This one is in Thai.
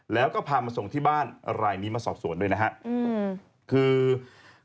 แล้วก็พามาส่งที่บ้านรายนี้มาสอบสวนด้วยนะฮะอืมคือ